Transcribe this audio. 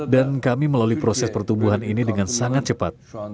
dan kami melalui proses pertumbuhan ini dengan sangat cepat